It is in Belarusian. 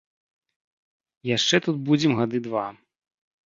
Яшчэ тут будзем гады два.